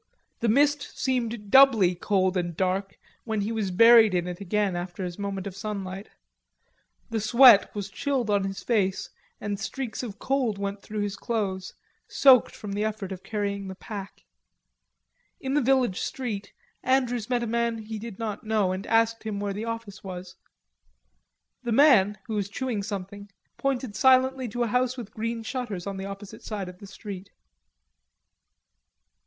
The mist seemed doubly cold and dark when he was buried in it again after his moment of sunlight. The sweat was chilled on his face and streaks of cold went through his clothes, soaked from the effort of carrying the pack. In the village street Andrews met a man he did not know and asked him where the office was. The man, who was chewing something, pointed silently to a house with green shutters on the opposite side of the street.